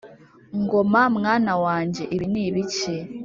Ngoma mwana wanjye ibi ni ibiki?»